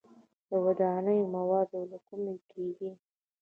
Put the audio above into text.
د ودانیو مواد له کومه کیږي؟